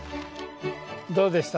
どうでした？